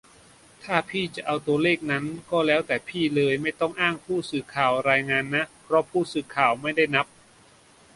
"ถ้าพี่จะเอาตัวเลขนั้นก็แล้วแต่พี่เลย ไม่ต้องอ้างผู้สื่อข่าวรายงานนะ เพราะผู้สื่อข่าวไม่ได้นับ""